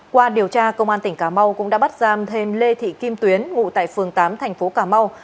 qua điều tra công an tỉnh cà mau cũng đã bắt giam thêm lê thị kim tuyến ngụ tại phường tám thành phố cà mau